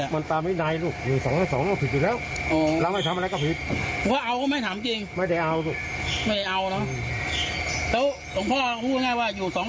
ครับเรายอมประหลาดเพศดีกว่า